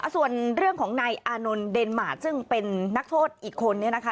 ส่วนเรื่องของนายอานนท์เดนมาร์ซึ่งเป็นนักโทษอีกคนนี้นะคะ